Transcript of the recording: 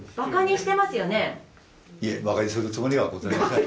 いえ馬鹿にするつもりはございません。